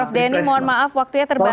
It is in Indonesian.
prof denny mohon maaf waktunya terbatas